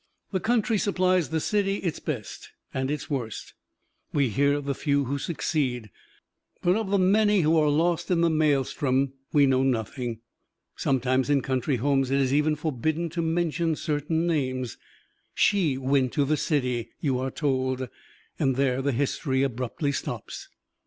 The country supplies the city its best and its worst. We hear of the few who succeed, but of the many who are lost in the maelstrom we know nothing. Sometimes in country homes it is even forbidden to mention certain names. "She went to the city," you are told and there the history abruptly stops.